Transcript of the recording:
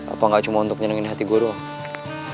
apa gak cuma untuk nyenengin hati gue doang